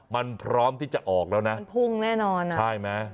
มันพร้อมที่จะออกแล้วนะมันพุ่งแน่นอนนะใช่ไหม